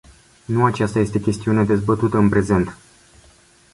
Nu acesta este chestiunea dezbătută în prezent.